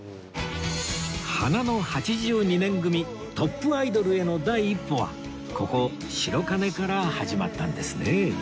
花の８２年組トップアイドルへの第一歩はここ白金から始まったんですね